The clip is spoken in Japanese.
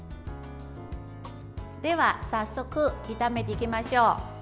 では早速、炒めていきましょう。